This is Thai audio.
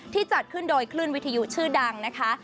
จัดขึ้นโดยคลื่นวิทยุชื่อดังนะคะ